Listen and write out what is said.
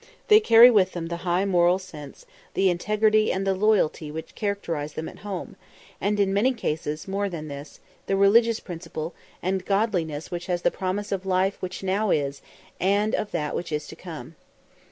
They carry with them the high moral sense, the integrity, and the loyalty which characterise them at home; and in many cases more than this the religious principle, and the "godliness which has promise of the life which now is, and of that which is to come."